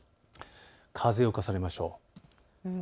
風を重ねましょう。